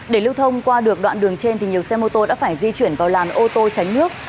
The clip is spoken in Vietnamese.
để lưu thông qua được đoạn đường trên thì nhiều xe mô tô đã phải di chuyển vào làn ô tô tránh nước